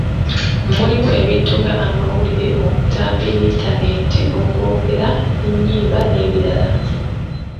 Mulimu ebintu nga; amawulire, obutambi, yintaneeti, okwogera, ennyimba n'ebirala.